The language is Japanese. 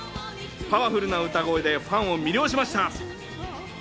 パワフルな歌声でファンを魅了しました。